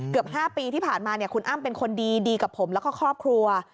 ๕ปีที่ผ่านมาคุณอ้ำเป็นคนดีกับผมแล้วก็ครอบครัว